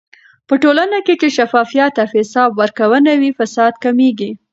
په ټولنه کې چې شفافيت او حساب ورکونه وي، فساد کمېږي.